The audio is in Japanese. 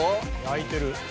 焼いてる。